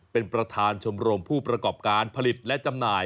เป็นประธานชมรมผู้ประกอบการผลิตและจำหน่าย